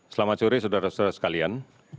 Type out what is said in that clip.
selamat sore saudara saudara sekalian